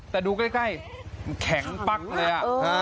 แต่ดูใกล้แข็งปั๊กเลย